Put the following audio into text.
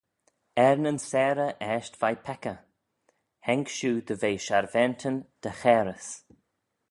Er nyn seyrey eisht veih peccah, haink shiu dy ve sharvaantyn dy chairys.